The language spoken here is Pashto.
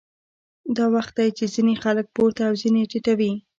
دا وخت دی چې ځینې خلک پورته او ځینې ټیټوي